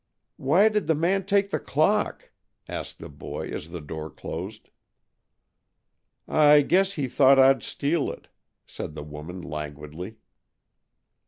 "Why did the man take the clock?" asked the boy as the door closed. "I guess he thought I'd steal it," said the woman languidly.